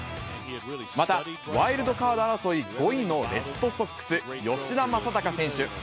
また、ワイルドカード争い５位のレッドソックス、吉田正尚選手。